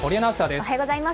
おはようございます。